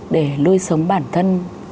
để nuôi sống bản thân